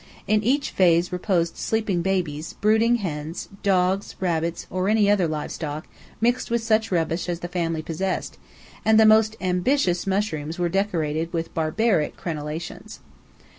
In each vase reposed sleeping babies, brooding hens, dogs, rabbits, or any other live stock, mixed with such rubbish as the family possessed: and the most ambitious mushrooms were decorated with barbaric crenellations.